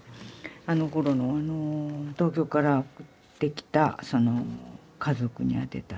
あのころの東京から送ってきた家族に宛てた。